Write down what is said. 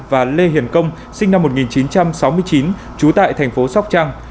và lê hiền công sinh năm một nghìn chín trăm sáu mươi chín trú tại thành phố sóc trăng